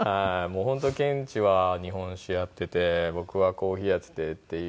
本当ケンチは日本酒やっていて僕はコーヒーやっていてっていう。